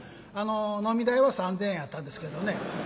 飲み代は３，０００円やったんですけどね。